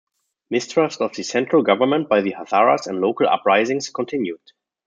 Mistrust of the central government by the Hazaras and local uprisings continued.